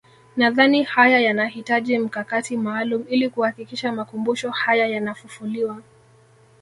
Nadhani haya yanahitaji mkakati maalum ili kuhakikisha makumbusho haya yanafufuliwa